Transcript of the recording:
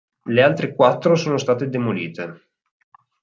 Le altre quattro sono state demolite.